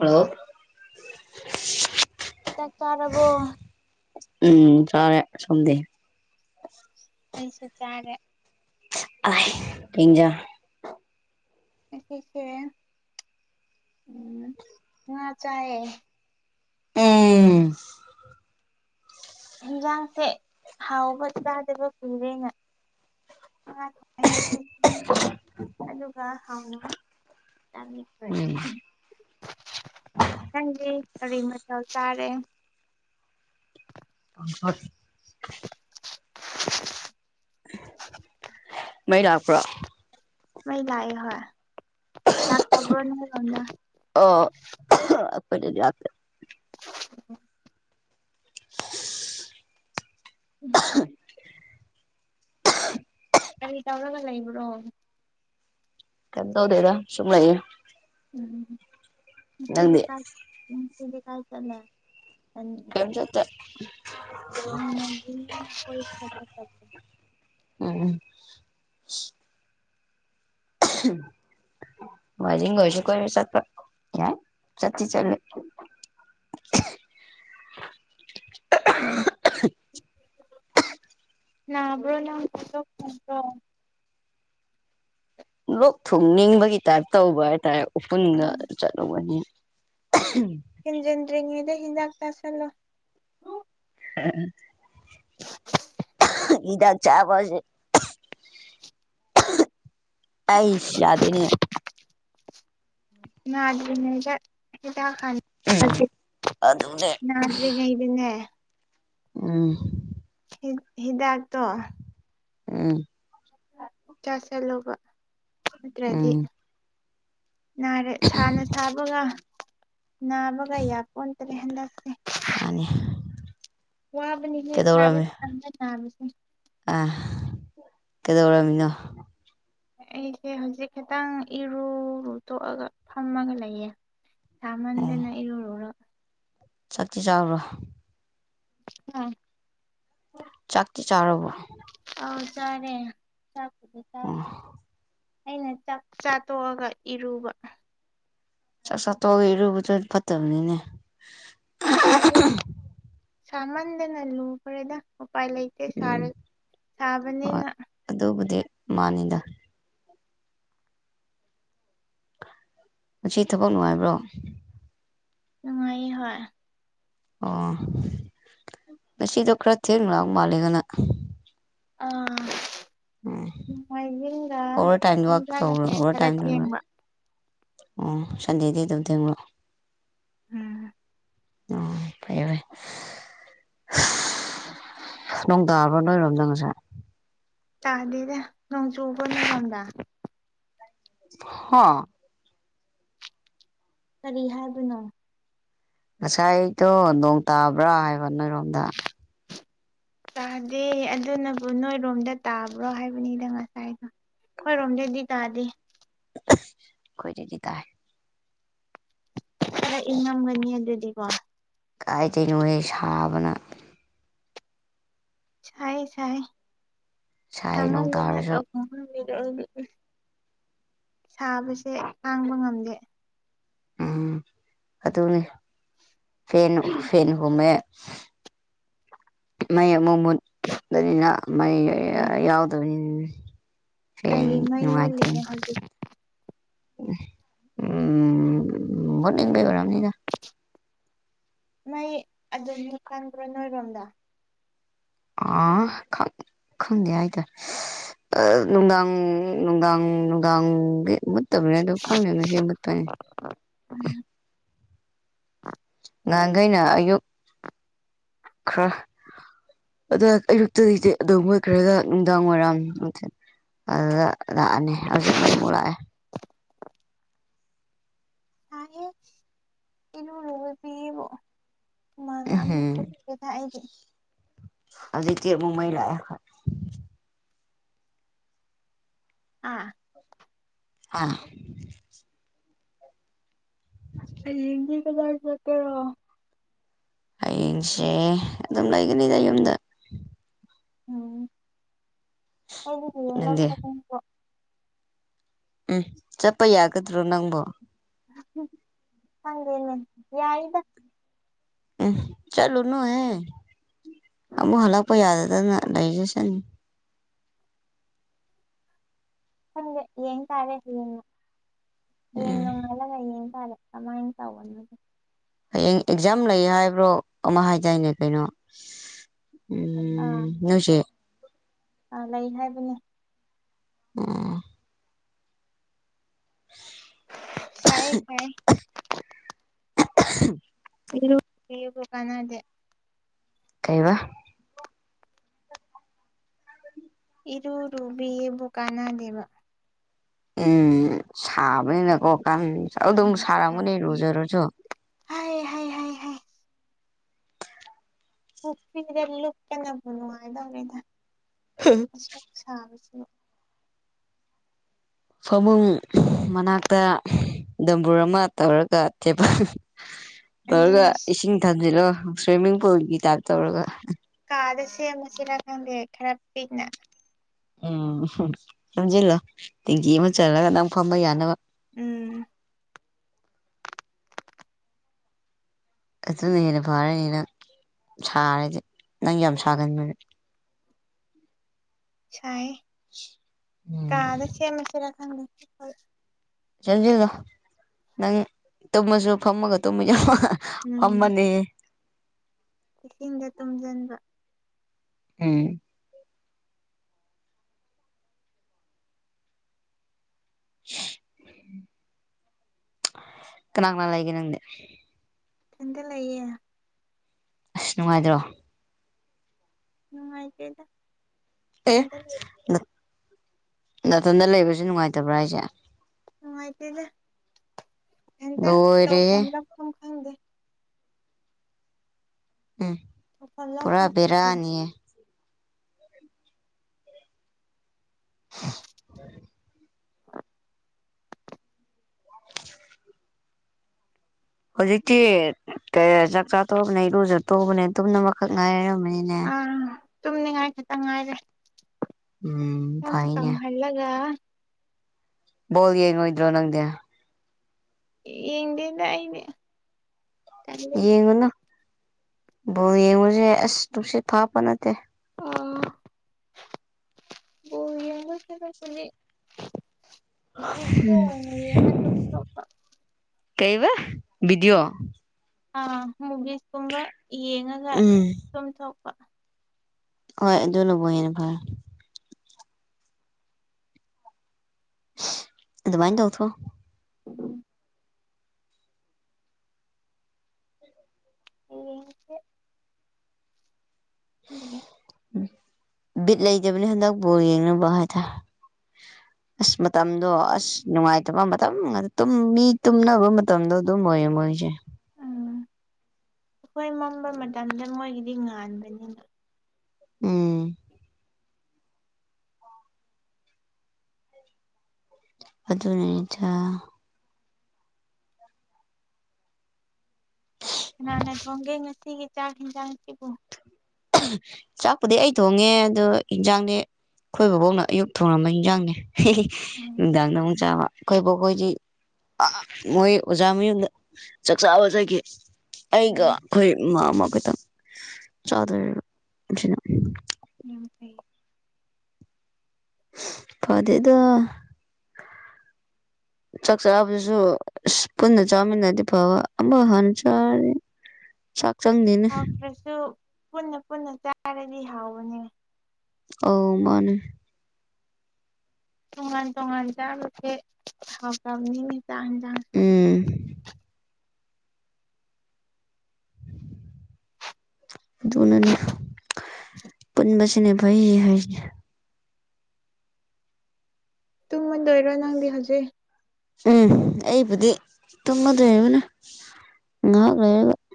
Hello. ꯇꯥꯔꯕꯣ꯫ ꯎꯝ ꯆꯥꯔꯦ ꯁꫭꯝꯗꯤ꯫ ꯀꯩꯁꯨ ꯆꯥꯔꯦ꯫ ꯑꯁ ꯑꯥꯏ ꯀꯩꯏꯟꯖꯥ꯫ ꯉꯁꯤꯁꯦ ꯎꯝ ꯉꯥ ꯆꯥꯏꯌꯦ꯫ ꯎꯝ꯫ ꯍꯦꯟꯁꯥꯡꯁꯦ ꯍꯥꯎꯕ ꯆꯥꯗꯕ ꯀꯨꯏꯔꯦꯅ꯫ [unintelligible] ꯑꯗꯨꯒ ꯍꯥꯎꯅ ꯆꯥꯅꯤꯡꯈ꯭ꯔꯦ꯫ ꯎꯝ ꯅꯪꯗꯤ ꯀꯔꯤ ꯃꯊꯦꯜ ꯆꯥꯔꯦ꯫ [inaudible] [unintelligible] ꯃꯩ ꯂꯥꯛꯄ꯭ꯔꯣ꯫ ꯃꯩ ꯂꯥꯛꯑꯦ ꯍꯣꯏ ꯂꯥꯛꯇꯕ꯭ꯔꫭ ꯅꫭꯏ ꯔꫭꯝꯗ꯫ ꯈꫭꯏꯗꯤ ꯂꯥꯛꯇꯦ꯫ [unintelligible] ꯎꯝ꯫ ꯀꯔꯤ ꯇꯧꯔꯒ ꯂꯩꯕ꯭ꯔꯣ꯫ ꯀꯩꯝ ꯇꯧꯗꯦꯗ ꯁꯨꯝ ꯂꯩꯌꯦ꯫ ꯎꯝ ꯉꯁꯤꯗꯤ ꯅꯪꯗꯤ ꯀꯥꯏ ꯉꯁꯤꯗꯤ ꯀꯥꯏ ꯆꯠꯂꯦ꯫ ꯀꯩꯝ ꯆꯠꯇꯦ꯫ ꯎꯝ ꯎꯝ [unintelligible] [unintelligible] ꯋꯥꯖꯤ ꯉꯣꯏꯁꯨ ꯀ ꯆꯠꯄ ꯌꯥ ꯆꯆꯤ ꯆꯂꯨ [unintelligible] ꯅꯕ꯭ꯔꯣꯅ꯭ꯔꯣ ꯂꯣꯛ ꯊꯨꯡꯅꯤꯡꯕꯒꯤ ꯇꯥꯏꯞ ꯇꯧꯕ ꯍꯥꯏꯇꯥꯔꯦ ꯎꯄꯨꯟꯒ ꯑꯥ ꯆꯠꯂꯨꯕꯅꯤ ꯎꯝ ꯍꯦꯟꯖꯤꯟꯗ꯭ꯔꯤꯉꯩꯗ ꯍꯤꯗꯥꯛ ꯇꯥꯥꯁꯜꯂꯣ ꯎꯝ ꯏꯗꯥꯛ ꯆꯥꯕꯁꯦ ꯑꯩꯁꯤꯌꯥꯗꯅꯤ ꯅꯅꯦꯖ ꯀ ꯈ ꯎꯝ ꯑꯗꯨꯅꯦ ꯅꯅꯥꯇꯔꯤ ꯀꯩꯗꯤ ꯎꯝ ꯍꯤꯗꯥꯛꯇꯣ ꯎꯝ ꯆꯥ ꯆꯦꯜꯂꯨꯕ ꯅꯠꯇ꯭ꯔꯗꯤ ꯎꯝ ꯅꯥꯔꯦ ꯁꯥꯅ ꯁꯥꯕꯒ ꯅꯥꯕꯒ ꯌꯥꯄꯣꯟꯟꯇꯔꯦ ꯍꯟꯗꯛꯁꯦ ꯃꯥꯅꯦ ꯋꯥꯕꯅꯤ ꯀꯩꯗꯧꯔꯝꯃꯤ ꯈꯕꯁ ꯀꯗꯧꯔꯃꯤꯅꯣ ꯑꯩꯁꯦ ꯍꯧꯖꯤꯛ ꯈꯤꯇꯪ ꯏꯔꯨꯨꯔꯨ ꯇꯣꯛꯑꯒ ꯐꯝꯃꯒ ꯂꯩꯌꯦ ꯆꯃꯟꯗꯅ ꯏꯔꯔꯔ ꯆꯇꯤ ꯆꯥꯎꯥꯎꯔꯕꯣ ꯑꯥ ꯆꯥꯛꯇꯤ ꯆꯥꯔꯕꯣ ꯑꯥꯎ ꯆꯔꯦ ꯆꯄꯨꯗ ꯇ ꯑꯣ ꯑꯩꯅ ꯆꯥꯛ ꯆꯥꯊꯣꯛꯑꯒ ꯏꯔꯨꯕ ꯆꯁ ꯇ ꯑꯣꯏꯒꯔꯗꯨ ꯐꯠꯇꯕꯅꯤꯅꯦ ꯑ ꯁꯃꯗꯅ ꯂ ꯀꯔꯦꯗ ꯎꯄꯥꯏ ꯂꯩꯇꯦ ꯎꯝ ꯍꯣꯏ ꯁꯥꯕꯅꯤꯅ ꯑꯗꯨꯕꯨꯗꯤ ꯃꯥꯅꯤꯗ ꯎꯆ ꯊꯕꯛ ꯅꯨꯡꯉꯥꯏꯕ꯭ꯔꯣ ꯅꯨꯡꯉꯥꯏꯌꯦ ꯍꯣꯏ ꯑꯣ ꯉꯁꯤꯗꯣ ꯈꯔ ꯊꯦꯡ ꯂ ꯃꯥꯂꯒꯅ ꯑꯥ ꯃꯥꯏ ꯑꯣꯚꯔ ꯇꯥꯏꯝ ꯋꯥꯛ ꯏꯜꯒꯪꯖꯦ ꯇꯧꯕ꯭ꯔꯣ ꯑꯣꯚꯔ ꯈꯔ ꯇꯥꯏꯝ ꯇꯧꯕ꯭ꯔꯣ ꯊꯦꯡꯕ ꯑꯣ ꯁꯟꯗꯦꯗꯤ ꯑꯗꯨꯝ ꯊꯦꯡꯉꯣ ꯎꯝ ꯑꯣ ꯐꯌꯦꯦ ꯐꯥꯏ ꯅꯣꯡ ꯇꯥꯕ꯭ꯔꯣ ꯅꯣꯏꯔꯣꯝꯗꯪꯉꯁꯦ ꯆꯥꯗꯦꯗ ꯅꯣꯡ ꯆꯨꯕꯅꯉꯗꯥ ꯍ ꯀꯔꯤ ꯍꯥꯏꯕꯅꯣ ꯉꯁꯥꯏꯗꯣ ꯅꯣꯡ ꯇꯥꯕ꯭ꯔꯥ ꯍꯥꯏꯕ ꯅꯣꯏꯔꯣꯝꯗ ꯆꯥꯗꯦ ꯑꯗꯨꯅꯕꯨ ꯅꯣꯏꯔꯣꯝꯗ ꯇꯥꯕ꯭ꯔꯣ ꯍꯥꯏꯕꯅꯤꯗ ꯉꯁꯥꯏꯅꯣ ꯈꯣꯏꯔꯣꯝꯗꯦꯗꯤ ꯇꯥꯗꯦ ꯑꯩꯈꯣꯏꯗꯗꯤ ꯇꯥꯏ ꯈꯔ ꯏꯉꯝꯒꯅꯤ ꯑꯗꯨꯗꯤꯀꯣ ꯀꯥꯏ ꯆꯩꯩꯅꯣꯩ ꯁꯥꯕꯅ ꯁꯥꯏ ꯁꯥꯏ ꯁꯥꯏ ꯅꯣꯡ ꯁꯃꯅ ꯇ ꯇꯥꯔꯁꯨ ꯀ ꯁꯥꯕꯁꯦ ꯇꯥꯡꯕ ꯉꯝꯗꯦ ꯎꯝ ꯑꯗꯨꯅꯤ ꯐ ꯐꯅ ꯍꯨꯝꯃꯦ ꯃꯌꯦꯛ ꯃꯃꯨꯠꯅꯤꯅ ꯃꯩ ꯎꯝ ꯌꯥꯎꯗꯕꯅꯤ ꯐ ꯀꯩꯒꯤ ꯃꯩ ꯃꯨꯠꯂꯤꯅꯣ ꯅꯨꯡꯉꯥꯏꯇꯦꯅꯦ ꯍꯧꯖꯤꯛ ꯎꯝ ꯍꯅꯤꯡꯕ ꯑꯣꯏꯔꯝꯅꯤꯗ ꯃꯩ ꯑꯗꯨꯝ ꯆꯪꯗ꯭ꯔꯣ ꯅꯣꯏꯔꯣꯝꯗ ꯑꯥ ꯈ ꯈꯪꯗꯦ ꯍꯥꯏꯇꯥꯔꯦ ꯅꯨꯡꯗꯥꯡ ꯅꯨꯡꯗꯥꯡ ꯅꯨꯡꯗꯥꯡꯒꯤ ꯃꯠꯇ ꯂ ꯀꯅ ꯁꯤꯃꯠꯇꯅꯦ [unintelligible] [inaudible] ꯉꯍꯥꯟꯈꯩꯅ ꯑꯌꯨꯛ ꯈꯔ꯫ ꯑꯗ ꯑꯌꯨꯛꯇꯒꯤꯗꯤ ꯑꯗꯨꯣ ꯍꯣꯏ ꯈꯔꯒ ꯅꯨꯡꯗꯥꯡ ꯋꯥꯏꯔꯝ ꯑꯗꯨꯗ꯫ ꯂꯥꯛꯑꯅꯤ ꯍꯧꯖꯤꯛ ꯃꯩꯃꯨꯛ ꯂꯥꯛ꯫ ꯀꯩꯅ ꯄꯕꯣ [unintelligible] ꯎꯝꯍꯨꯝ [inaudible] ꯝ ꯊ ꯍꯥꯏꯗꯤ [unintelligible] [inaudible] ꯑꯗꯨꯗꯗꯤ ꯆꯦ ꯃꯣꯃꯩ ꯂꯥꯛꯑ ꯈ꯫ ꯑꯥ꯫ ꯑꯥ꯫ ꯍꯝꯗꯤ ꯀꯗꯥ ꯆ ꯀꯦꯔ [unintelligible] [inaudible] ꯍꯌꯦꯡꯁꯦ ꯑꯗꯨꯝ ꯂꯩꯒꯅꯤꯗ ꯌꯨꯝꯗ ꯎꯝ ꯅꯪꯗꯤ ꯍꯥꯏꯗꯤ꯫ ꯎꯝ ꯆꯠꯄ ꯌꯥꯒꯗ꯭ꯔꯣ ꯅꯪꯕꯨ꯫ ꯈꯪꯗꯦꯅꯦ ꯌꯥꯏꯗ꯫ ꯎ ꯆꯂꯨꯅ ꯍꯦ꯫ ꯑꯕꯨ ꯍꯂꯛꯄꯣꯏ ꯌꯥꯗꯗ ꯂꯩꯏꯖꯁꯟ꯫ ꯅꯪꯒ ꯌꯦꯟ ꯇꯥꯔꯦ ꯍꯅ꯫ ꯎꯝ꯫ ꯇꯥꯔꯦ ꯀꯃꯥꯏꯅ ꯇꯧꯕꯅꯣ꯫ ꯍꯌꯦꯡ ꯑꯦꯛꯖꯥꯝ ꯂꯩ ꯍꯥꯏꯕ꯭ꯔꯣ ꯑꯃ ꯍꯥꯏꯖꯩꯅꯦ ꯀꯩꯅꯣ ꯑꯥ ꯎꯝꯁꯦ ꯑꯥ ꯂꯩ ꯍꯥꯏꯕꯅꯦ ꯑꯥ ꯁꯥꯏ ꯁꯥꯏ [unintelligible] [inaudible] ꯏ ꯏꯕ ꯀꯅꯥꯗꯦ꯫ ꯀꯩ ꯋꯥ꯫ ꯏꯔꯔꯨꯕꯤꯌꯦ ꯀꯅꯥ ꯗꯦꯕ꯫ ꯎꯝ ꯁꯥꯕꯅꯤꯅꯀꯣ ꯑꯗꯨꯝ ꯎꯝ ꯁꯥꯔꯝꯒꯅꯤ ꯁꯥꯕꯅꯦ꯫ ꯔꯨꯖꯔꯨꯁꯨ꯫ ꯍꯥꯏ ꯍꯥꯏ ꯍꯥꯏ ꯍꯥꯏ ꯄꯨꯈ꯭ꯔꯤꯗ ꯂꯨꯞꯇꯅꯕꯨ ꯅꯨꯡꯉꯥꯏꯗꯧꯅꯤꯗ ꯑꯁꯨꯛ ꯁꯥꯕꯕꯁꯤ꯫ ꯐꯃꯨꯡ ꯃꯅꯥꯛꯇ ꯗꯝꯕꯨꯔ ꯑꯃ ꯇꯧꯔꯒ ꯊꯦꯄꯜ ꯇꯧꯔꯒ ꯑꯗꯨꯅ ꯏꯁꯤꯡ ꯊꯝꯖꯤꯜꯂꯣ ꯁ꯭ꯋꯤꯃꯤꯡ ꯄꯨꯜꯒꯤ ꯇꯥꯏꯞ ꯇꯧꯔꯒ ꯄꯗꯁꯦ ꯃꯁꯂ ꯈꯗ ꯈꯔꯞ ꯄꯤꯛꯅ ꯎꯝ ꯊꯝꯖꯤꯜꯂꯣ ꯇꯦꯡꯀꯤ ꯑꯃ ꯆꯜꯂꯒ ꯅꯪ ꯐꯝꯕ ꯌꯥꯅꯕ ꯎꯝ꯫ ꯑꯗꯨꯅ ꯍꯦꯟꯅ ꯐꯔꯅꯤꯅ ꯁꯥꯔꯗꯤ ꯅꯪ ꯌꯥꯝ ꯁꯥꯒꯟꯕꯅꯦ꯫ ꯎꯝ꯫ ꯁꯥꯏ ꯀꯥꯗ ꯁꯦꯝꯃꯁꯤꯦꯔꯥ ꯈꯪꯗ ꯁꯟꯖꯦꯜꯗꯣ ꯅꯪ ꯇꯨꯝꯃꯁꯨ ꯐꯝꯃꯒ ꯇꯨꯝꯃ ꯌꯥꯎ ꯎꯝ ꯑꯃꯅꯤ ꯏꯁꯤꯡꯗ ꯇꯨꯝꯁꯤꯟꯕ ꯎꯝ ꯀꯅꯥ ꯀꯅꯥ ꯂꯩꯒꯦ ꯅꯪꯗꯤ ꯊꯟꯗ ꯂꯩꯌꯦ ꯑꯁ ꯅꯨꯡꯉꯥꯏꯗ꯭ꯔꯣ ꯃꯥꯏ ꯏꯀꯣꯏꯗ ꯑꯦ ꯅꯥꯇꯟꯗ ꯂꯩꯕꯁꯨ ꯅꯨꯡꯉꯥꯏꯇꯕ꯭ꯔꯥ ꯑꯩꯁꯦ ꯅꯨꯡꯉꯥꯏꯇꯖꯦ ꯍꯦꯟꯇ ꯇ ꯂꯣꯏꯔꯦꯍꯦ ꯐꯗ ꯐ ꯈꯪꯗꯦ ꯎꯝ ꯇꯧꯐꯝ ꯄꯨꯔꯥ ꯂꯥꯛꯐꯝ ꯈꯪꯗꯦ ꯕꯔꯥꯅꯤꯌꯦ [inaudible] ꯑ [inaudible] ꯍꯧꯖꯤꯛꯇꯤ ꯆꯥꯛꯆꯥꯥ ꯇꯣꯛꯕꯅꯦ ꯏꯔꯨꯖ ꯇꯕꯅꯦ ꯇꯨꯝꯅ ꯑꯃꯛ ꯉꯥꯏ ꯍꯥꯏꯔꯝꯃꯦ ꯑꯥ ꯇꯨꯝꯅꯤꯡꯉꯥꯏ ꯈꯤꯇꯪ ꯉꯥꯏꯔꯦ ꯎꯝ ꯀꯪ ꯀꯪ ꯐꯩꯅꯦ ꯍꯜꯂꯒ ꯕꯣꯜ ꯌꯦꯡꯉꯣꯏꯗ꯭ꯔꯣ ꯅꯪꯗꯤ ꯌꯦꯡꯗꯦꯗ ꯑꯩꯗꯤ ꯇꯜꯂꯦꯗ ꯌꯦꯡꯉꯨꯅꯨ ꯕꯣ ꯌꯦꯡꯉꯨꯁꯦ ꯑꯁ ꯅꯨꯡꯁꯤꯠ ꯐꯥꯞꯄ ꯅꯠꯇꯦ ꯑ ꯌꯦ [unintelligible] ꯕꯤꯖ ꯅꯃ ꯇꯨꯝꯕ ꯕꯤꯗꯤꯑꯣ ꯑ ꯃꯨꯚꯤꯁꯁꯀꯨꯝꯕ ꯌꯦꯡꯉꯒ ꯎꯝ ꯁꯨꯝꯣꯛ ꯍꯣꯏ ꯑꯗꯨꯅꯕꯍꯤꯅꯚꯥꯏ ꯑꯗꯨꯃꯥꯏꯅ ꯇꯧꯊꯣ ꯑꯦ ꯎ ꯎꯝ ꯕꯤꯠ ꯂꯩꯖꯕꯅꯤ ꯍꯟꯗꯛ ꯕꯣꯜ ꯌꯦꯡꯅꯕ ꯍꯥꯏꯇꯥꯔꯦ ꯑꯁ ꯃꯇꯝꯗꯣ ꯑꯁ ꯅꯨꯡꯉꯥꯏꯇꯕ ꯃꯇꯝ ꯑꯗꯨ ꯇꯨꯝ ꯃꯤ ꯇꯨꯝꯅꯕ ꯃꯇꯝꯗꯣ ꯑꯗꯨꯝ ꯑꯣꯏꯌꯦ ꯃꯣꯏꯁꯦ ꯎꯝ ꯑꯩꯈꯣꯏ ꯃꯝꯕ ꯃꯇꯝꯗ ꯃꯣꯏꯒꯤꯗꯤ ꯉꯥꯟꯕꯅꯤꯅ ꯎꯝ ꯑꯗꯨꯅ ꯏꯗ ꯀꯅꯥꯅ ꯊꯣꯡꯒꯦ ꯉꯁꯤꯒꯤ ꯆꯥꯛ ꯍꯤꯟꯖꯥꯡꯁꯤꯕꯨ ꯆꯥꯛꯄꯨꯗꯤ ꯑꯩ ꯊꯣꯡꯉꯦ ꯑꯗꯣ ꯌꯦꯟꯖꯥꯡꯗꯤ ꯑꯩꯈꯣꯏ ꯕꯣꯛꯅ ꯑꯌꯨꯛ ꯊꯣꯡꯉꯝꯕ ꯏꯟꯖꯥꯡꯅꯦ ꯎꯝ ꯅꯨꯡꯗꯥꯡꯗ ꯑꯃꯨꯛ ꯆꯥꯕ ꯑꯩꯈꯣꯏ ꯕꯣꯏꯗꯤ ꯃꯣꯏ ꯑꯣꯖꯥ ꯃꯌꯨꯝꯗ ꯆꯥꯛꯆꯥꯥ ꯋꯥꯖꯈꯤ ꯑꯩꯒ ꯎꯝ ꯑꯩꯈꯣꯏ ꯏꯃꯥ ꯑꯃ ꯇꯪ ꯆꯥꯗꯔꯤꯕ ꯑꯁꯤꯅ ꯌꯥꯝ ꯐꯩꯌꯦ ꯐ ꯑꯗꯨꯗ ꯆꯥꯛꯆꯥ ꯑꯗꯨꯁꯨ ꯄꯨꯟꯅ ꯆꯧꯃꯤꯟ ꯅꯗꯤ ꯐꯕ ꯑꯝꯕ ꯍꯟ ꯎꯝ ꯆꯔꯦ ꯆꯥꯛ ꯆꯪꯅꯤꯅꯦ ꯍꯥꯎꯇ꯭ꯔꯁꯨ ꯄꯨꯟꯅ ꯄꯨꯟꯅ ꯆꯥꯔꯗꯤ ꯍꯥꯎꯕꯅꯦ ꯑ ꯃꯥꯅꯦ ꯇꯣꯉꯥꯟ ꯇꯣꯉꯥꯟ ꯆ ꯎꯆꯦ ꯊꯥꯎ ꯀꯝꯅꯤ ꯆꯥꯡ ꯆꯥꯡ ꯎꯝ ꯅꯤ ꯄꯨꯁ ꯆꯅꯦꯕꯩ ꯍꯥꯏꯅꯦ ꯇꯨꯝꯃꯟꯗꯣꯏꯔꯣ ꯅꯪꯗꯤ ꯍꯧꯖꯤꯛ ꯎꯝ ꯑꯩꯕꯨꯗꯤ ꯇꯨꯝꯃꯗ꯭ꯔꯦꯕꯅ ꯉꯥꯛ ꯂꯩꯔꯒ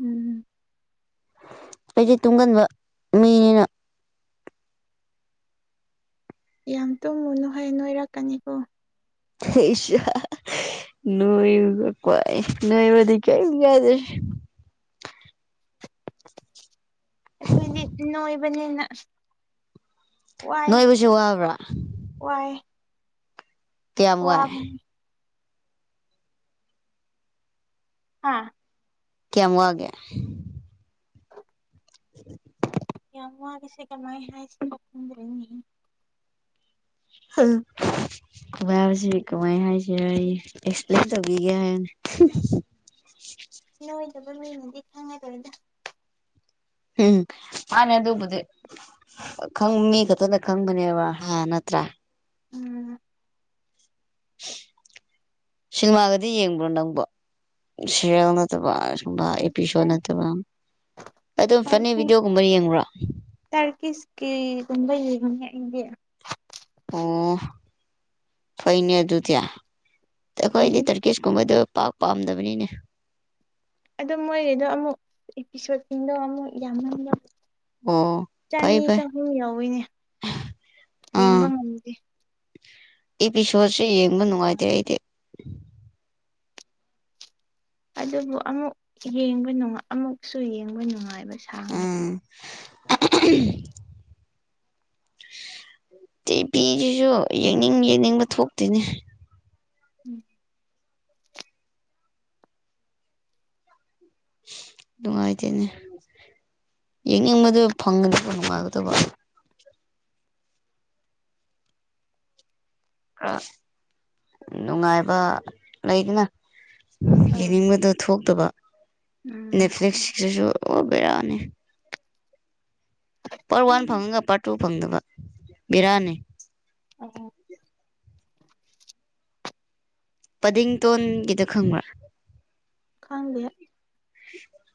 ꯎꯝ ꯑꯩꯗꯤ ꯇꯨꯡꯒꯟꯕ ꯃꯤꯅꯤꯅ ꯌꯥꯝ ꯇꯨꯝꯃꯨꯅꯨ ꯍꯩ ꯅꯣꯏꯔꯛꯀꯅꯤꯕꯣ ꯑꯁꯥ ꯅ ꯀꯥꯏ ꯅꯏꯕ ꯀꯩ ꯌꯥꯗ ꯑꯩꯈꯣꯏꯗꯤ ꯅꯣꯏꯕꯅꯤꯅ ꯋꯥꯏ ꯅꯣꯏꯕꯨꯁꯨ ꯋꯥꯕ꯭ꯔꯥ ꯋꯥꯏ ꯇꯃ ꯌꯥ ꯋꯥꯕꯅꯤ ꯑꯥ ꯀꯋꯥꯒꯦ [unintelligible] ꯌꯥꯒꯤꯁꯦ ꯀꯃꯥꯏ ꯍꯥꯏꯗꯔ ꯀꯕꯁꯤ ꯀꯃꯥꯏ ꯍꯥꯏꯁꯦ ꯑꯩ ꯑꯦꯛꯁꯄ꯭ꯂꯦꯟ ꯇꯧꯕꯤꯒꯦ ꯍꯥꯏꯅꯤ [unintelligible] ꯂꯣꯏꯗꯕ ꯂꯣꯏꯅꯗꯤ ꯈꯪꯉꯔꯣꯏꯗ ꯎꯝ ꯃꯥꯅꯦ ꯑꯗꯨꯕꯨꯗꯤ ꯃꯤ ꯈꯛꯇꯗ ꯈꯪꯕꯅꯦꯕ ꯍꯥꯟꯅ ꯇ꯭ꯔꯥ ꯎꯝ ꯁꯤꯅꯦꯃꯥꯒꯗꯤ ꯌꯦꯡꯕ꯭ꯔꯣ ꯅꯪꯕ ꯁꯤꯔ ꯅꯠꯇꯕ ꯑꯩꯁꯦ ꯑꯦꯄꯤꯁꯣꯠ ꯅꯠꯇꯕ ꯑꯗꯨꯝ ꯐꯅꯤ ꯚꯤꯗꯤꯑꯣꯒꯨꯝꯕ ꯌꯦꯡꯕꯨꯔꯣ ꯀꯤꯁꯀꯤꯦꯒꯕ ꯌꯦꯦꯅꯤ ꯏꯦ ꯐꯣꯏꯅꯦ ꯑꯗꯨ ꯊꯌꯥ ꯀꯣꯏ ꯅ ꯇꯔꯀꯤꯁ ꯀꯨꯝꯃꯗ ꯄꯥꯛ ꯄꯥꯝꯗꯕꯅꯤꯅꯦ ꯑꯗ ꯃꯣꯏꯒꯤꯗꯣ ꯑꯃꯨꯛ ꯑꯦꯄꯤꯁꯣꯠꯁꯤꯡꯗꯣ ꯑꯃꯨꯛ ꯌꯥꯝ ꯍ ꯑꯣ ꯐꯩ ꯆꯅꯤ ꯐꯩ ꯆꯍꯨꯝ ꯌꯥꯎꯋꯤꯅꯦ ꯌꯦꯡꯕ ꯑꯥ ꯉꯝꯗꯦ ꯑꯦꯄꯤꯁꯣꯠꯁꯦ ꯌꯦꯡꯕ ꯅꯨꯡꯉꯥꯏꯇꯦ ꯂꯩꯇꯦ ꯑꯗꯨꯕꯨ ꯑꯃꯨꯛ ꯌꯦꯡꯕ ꯅꯨꯡ ꯑꯃꯨꯛꯁꯨ ꯌꯦꯡꯕ ꯅꯨꯡꯉꯥꯏꯕ ꯁꯥ ꯉꯁꯨ ꯎꯝ [unintelligible] ꯇꯤ ꯄꯤꯁꯤꯁꯨ ꯌꯦꯡꯅꯤꯡ ꯌꯦꯩꯅꯤꯡꯕ ꯊꯣꯛꯇꯣꯏꯅꯦ ꯎꯝ ꯅꯨꯡꯉꯥꯏꯇꯦꯅꯦ ꯌꯦꯡꯅꯤꯡꯕꯗꯨ ꯐꯪꯒꯗꯕ ꯅꯨꯡꯉꯥꯏꯒꯗꯕ ꯅꯨꯡꯉꯥꯏꯕ ꯂꯩꯗꯅ ꯑꯥ ꯌꯦꯡꯅꯤꯡꯕꯗ ꯊꯣꯛꯇꯕ ꯅꯦꯠꯐ꯭ꯂꯤꯛꯁꯁꯤꯁꯨ ꯕꯦꯔꯥꯅꯤ ꯄꯥꯔꯠ ꯋꯥꯟ ꯎꯝ ꯐꯪꯉꯒ ꯄꯥꯔꯠ ꯇꯨ ꯐꯪꯗꯕ ꯕꯤꯔꯌꯥꯅꯤ ꯑ ꯄꯗꯤꯡꯇꯣꯟꯒꯤꯗ ꯈꯪꯕ꯭ꯔꯥ ꯈꯪꯗꯦ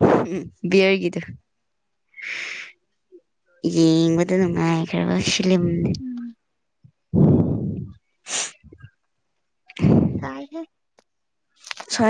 ꯎꯝ ꯕꯤꯌꯔꯒꯗ ꯌꯦꯡꯕꯗ ꯅꯨꯡꯉꯥꯏꯈ꯭ꯔꯦꯕꯁꯂ ꯎꯝ ꯍ ꯍ